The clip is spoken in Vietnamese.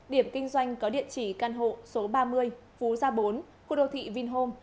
điểm kinh doanh có địa chỉ căn hộ số ba mươi phú gia bốn khu đô thị vinh hôm